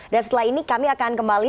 dan setelah ini kami akan kembali